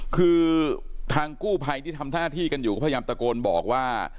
คือทางกู้ภัยที่ทำหน้าที่กันอยู่ก็พยายามตะโกนบอกว่า